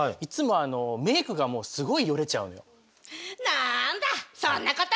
なんだそんなこと？